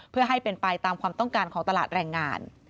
เพื่อให้เป็นไปตามความต้องการของตลาดแรงงาน